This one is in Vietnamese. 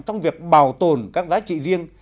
trong việc bảo tồn các giá trị riêng